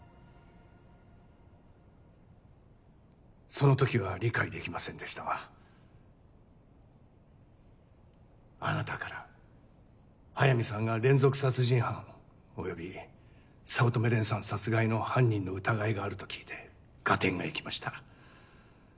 そのときは理解できませんでしたがあなたから速水さんが連続殺人犯および早乙女蓮さん殺害の犯人の疑いがあると聞いて合点がいきました。